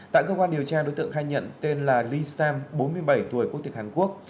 tại cơ quan điều tra đối tượng khai nhận tên là lee sam bốn mươi bảy tuổi quốc tịch hàn quốc